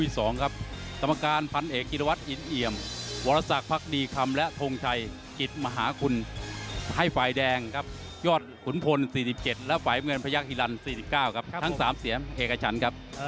สมัครภัณฑ์ภัคดีคำและทรงชัยกิตมหาคุณให้ฝ่ายแดงยอดขุนพล๔๗และฝ่ายเงินพระยักษ์ฮิลันท์๔๙ครับทั้ง๓เสียเอกชันครับ